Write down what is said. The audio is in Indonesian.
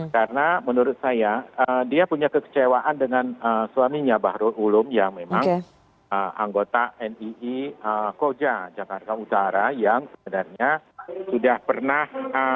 karena menurut saya dia punya kekecewaan dengan suaminya bahru ulum yang memang anggota nii koja jakarta utara yang sebenarnya sudah pernah